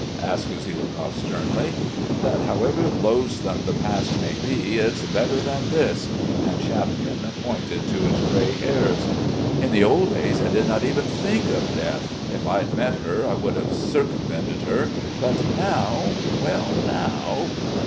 asked Usielkov, sternly. "That, however loathsome the past may be, it's better than this." And Shapkin pointed to his grey hairs. "In the old days I did not even think of death.... If I'd met her, I would have circumvented her, but now ... well, now!"